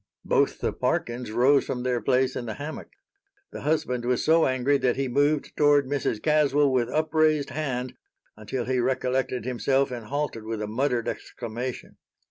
Both the Parkins rose from their place in the hammock. The husband was so angry that he moved toward Mrs. Caswell with upraised hand until he recollected himself and halted with a muttered exclamation.